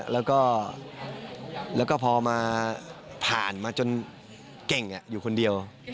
แล้วก็พอมาผ่านมาจนเก่งอยู่คนเดียว